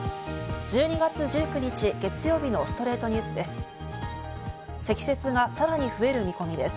１２月１９日、月曜日の『ストレイトニュース』です。